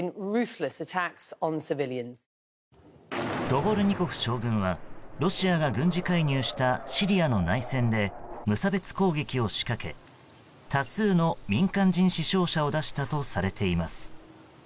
ドボルニコフ将軍はロシアが軍事介入したシリアの内戦で無差別攻撃を仕掛け多数の民間人死傷者を出したとされています。